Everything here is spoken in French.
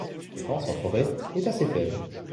Leur fréquence en forêt est assez faible.